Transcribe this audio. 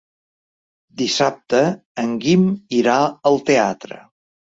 Dissabte en Guim irà al teatre.